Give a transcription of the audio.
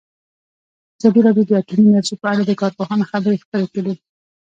ازادي راډیو د اټومي انرژي په اړه د کارپوهانو خبرې خپرې کړي.